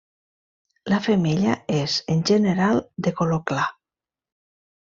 La femella és, en general, de color clar.